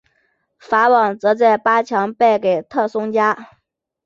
法网则在八强败给特松加。